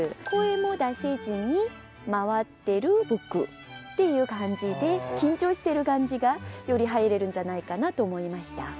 「声も出せずに回ってる僕」っていう感じで緊張してる感じがより入れるんじゃないかなと思いました。